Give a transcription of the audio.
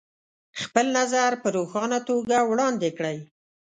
خپل نظر په روښانه توګه وړاندې کړئ.